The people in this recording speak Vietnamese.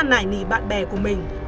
nải nỉ bạn bè của mình